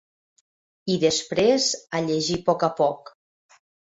...i després a llegir poc a poc